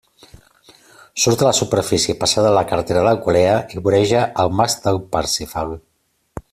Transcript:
Surt a la superfície passada la carretera d'Alcolea i voreja el Mas del Parsifal.